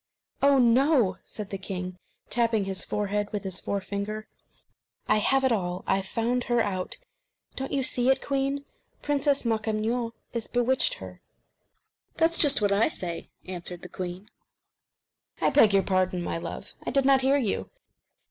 "Oh, ho!" said the king, tapping his forehead with his forefinger, "I have it all. I've found her out. Don't you see it, queen? Princess Makemnoit has bewitched her." "That's just what I say," answered the queen. "I beg your pardon, my love; I did not hear you.